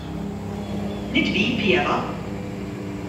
Nid fi piau fo.